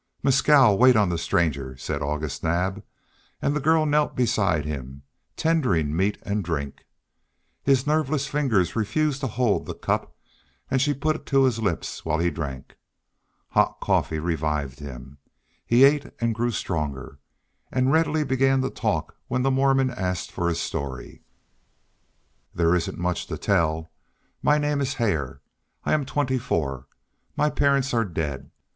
"Mescal, wait on the stranger," said August Naab, and the girl knelt beside him, tendering meat and drink. His nerveless fingers refused to hold the cup, and she put it to his lips while he drank. Hot coffee revived him; he ate and grew stronger, and readily began to talk when the Mormon asked for his story. "There isn't much to tell. My name is Hare. I am twenty four. My parents are dead.